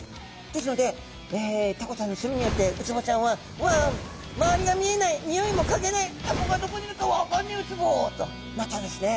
ですのでタコちゃんの墨によってウツボちゃんは「うわ！周りが見えないにおいもかげないタコがどこにいるか分かんねえウツボ」となっちゃうんですね。